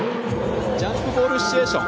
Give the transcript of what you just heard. ジャンプボールシチュエーション